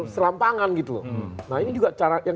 selampangan gitu nah ini juga cara yang